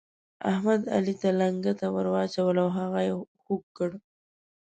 احمد، علي ته لنګته ور واچوله او هغه يې خوږ کړ.